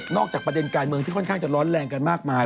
จากประเด็นการเมืองที่ค่อนข้างจะร้อนแรงกันมากมาย